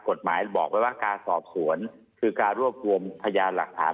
กฎหมายบอกไว้ว่าการสอบสวนคือการรวบรวมพยานหลักฐาน